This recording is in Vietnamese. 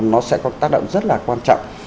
nó sẽ có tác động rất là quan trọng